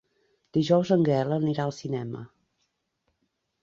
Dijous en Gaël anirà al cinema.